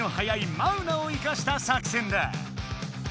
マウナを生かした作戦だ！